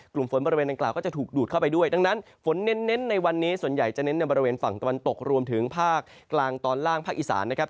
กลุ่มฝนบริเวณดังกล่าก็จะถูกดูดเข้าไปด้วยดังนั้นฝนเน้นในวันนี้ส่วนใหญ่จะเน้นในบริเวณฝั่งตะวันตกรวมถึงภาคกลางตอนล่างภาคอีสานนะครับ